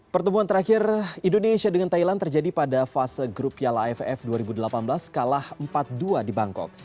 pertemuan terakhir indonesia dengan thailand terjadi pada fase grup piala aff dua ribu delapan belas kalah empat dua di bangkok